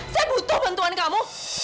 saya butuh bantuan kamu